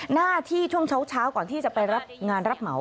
หน้าที่ช่วงเช้าก่อนที่จะไปรับงานรับเหมา